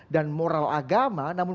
dan moral agama namun